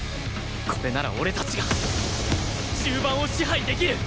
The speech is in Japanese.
これなら俺たちが中盤を支配できる！